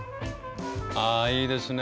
あいいですね。